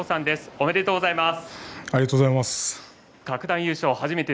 ありがとうございます。